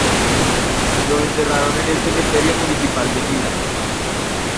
Lo enterraron en el Cementerio Municipal de Milán.